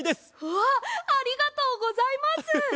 わっありがとうございます！